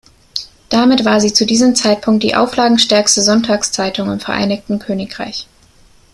Damit war sie zu diesem Zeitpunkt die auflagenstärkste Sonntagszeitung im Vereinigten Königreich.